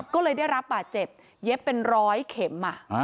ก็เลยได้รับบาดเจ็บเย็บเป็นร้อยเข็ม